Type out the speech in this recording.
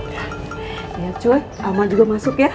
lihat cuy amal juga masuk ya